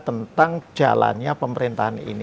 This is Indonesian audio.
tentang jalannya pemerintahan ini